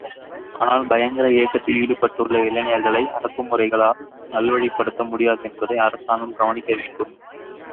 ஆனால் பயங்கர இயக்கத்தில் ஈடுபட்டுள்ள இளைஞர்களை அடக்குமுறைகளால் நல்வழிப்படுத்த முடியாது என்பதை அரசாங்கம் கவனிக்க வேண்டும்.